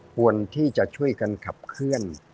ควรที่จะช่วยกันขับเคลื่อน